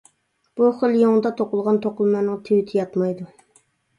بۇ خىل يۇڭدا توقۇلغان توقۇلمىلارنىڭ تىۋىتى ياتمايدۇ.